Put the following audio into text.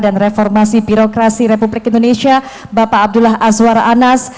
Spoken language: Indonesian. dan reformasi birokrasi republik indonesia bapak abdullah azwar anas